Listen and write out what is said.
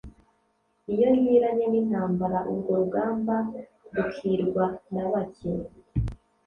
Iyo nkiranye n’intambara urwo rugamba rukirwa Na bake;